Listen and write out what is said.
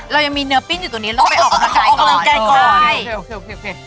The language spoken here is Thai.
เรายังมีเนื้อปิ้นอยู่ตรงนี้เราไปออกกำลังกายก่อน